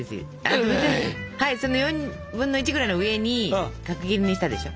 その４分の１ぐらいの上に角切りにしたでしょ。